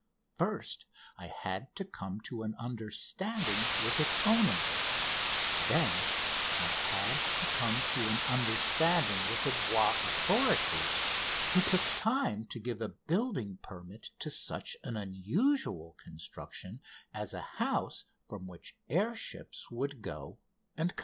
First, I had to come to an understanding with its owner; then I had to come to an understanding with the Bois authorities, who took time to give a building permit to such an unusual construction as a house from which air ships would go and come.